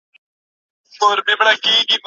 زموږ څېړني باید تل نوې او ګټورې وي.